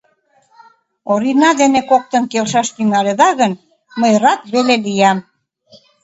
Орина дене коктын келшаш тӱҥалыда гын, мый рат веле лиям.